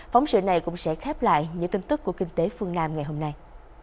phóng sự này cũng sẽ khép lại những tin tức của kinh tế phương nam ngày hôm nay